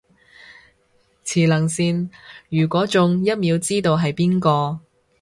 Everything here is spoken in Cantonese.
磁能線，如果中，一秒知道係邊個